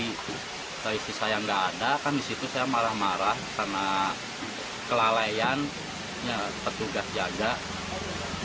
tapi kalau isi saya yang tidak ada kan di situ saya marah marah karena kelalaian petugas jaga